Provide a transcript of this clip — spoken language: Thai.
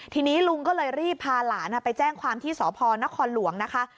ทีนี้ลุงก็เลยรีบพาหลานไปแจ้งความที่สพนครหลวงนะคะ